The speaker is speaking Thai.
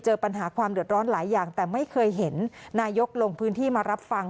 เจอปัญหาความเดือดร้อนหลายอย่างแต่ไม่เคยเห็นนายกลงพื้นที่มารับฟัง